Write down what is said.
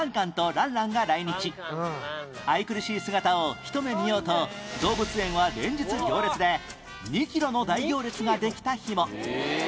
愛くるしい姿をひと目見ようと動物園は連日行列で２キロの大行列ができた日も